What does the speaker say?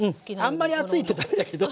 あんまり厚いとダメだけど。